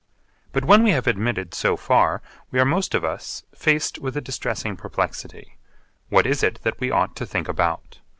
But when we have admitted so far, we are most of us faced with a distressing perplexity. What is it that we ought to think about?